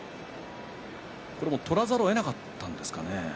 取らざるをえなかったんでしょうか？